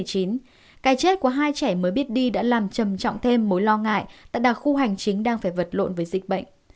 cái chết của hai trẻ mới biết đi đã làm trầm trọng thêm mối lo ngại tại đặc khu hành chính đang phải vật lộn với dịch bệnh